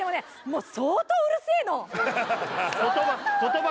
もう相当うるせえの言葉